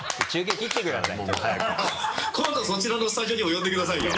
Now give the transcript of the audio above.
今度そちらのスタジオにも呼んでくださいよ。